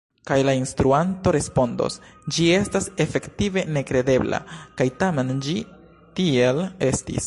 Kaj la instruanto respondos: « ĝi estas efektive nekredebla, kaj tamen ĝi tiel estis!